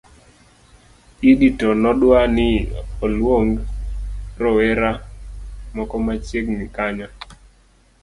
Idi to nodwa ni olwong rowera moko machiegni kanyo